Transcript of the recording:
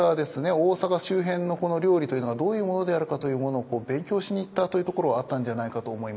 大坂周辺の料理というのがどういうものであるかというものを勉強しに行ったというところはあったんじゃないかと思います。